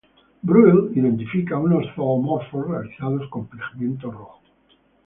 Breuil identifica unos zoomorfos realizados con pigmento rojo.